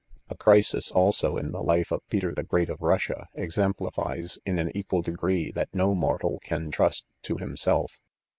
f A crisis also in the life of Peier the Great of Russia ex emplifies in an equal degree, that no mortal can trust to him self.